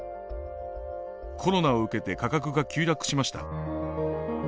コロナを受けて価格が急落しました。